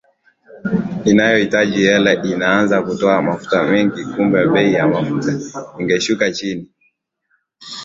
inayohitaji hela inaanza kutoa mafuta mengi kumbe bei ya mafuta ingeshuka chini